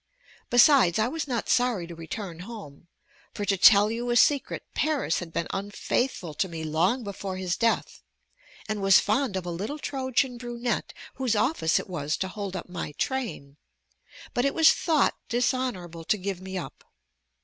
Besides, I was not sorry to return home: for to tell you a secret, Paris had been unfaithful to me long before his death, and was fond of a little Trojan brunette whose office it was to hold up my train; but it was thought dishonorable to give me up.